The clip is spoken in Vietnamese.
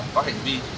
có hành vi